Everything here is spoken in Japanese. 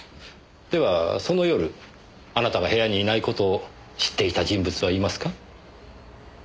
ではその夜あなたが部屋にいない事を知っていた人物はいますか？